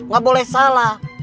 gak boleh salah